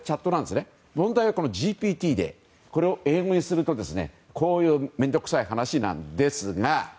問題はＧＰＴでこれを英語にすると、こういう面倒くさい話なんですが。